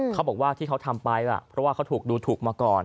เขาบอกว่าที่เขาทำไปเพราะว่าเขาถูกดูถูกมาก่อน